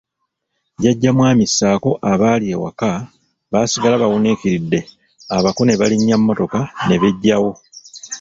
Jjajja mwami ssaako abaali ewaka baasigala bawuniikiridde abako ne balinnya mmotoka ne beggyawo.